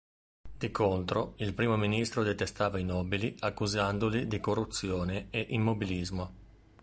Di contro, il primo ministro detestava i nobili accusandoli di corruzione e immobilismo.